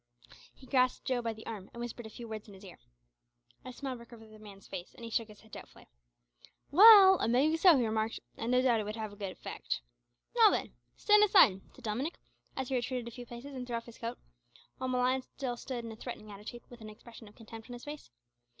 He grasped Joe by the arm, and whispered a few words in his ear. A smile broke over the man's face, and he shook his head doubtfully. "Well, it may be so," he remarked, "an' no doubt it would have a good effect." "Now, then, stand aside," said Dominick, as he retreated a few paces and threw off his coat, while Malines still stood in a threatening attitude, with an expression of contempt on his face.